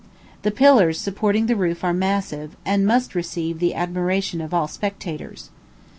The pillars supporting the roof are massive, and must receive the admiration of all spectators.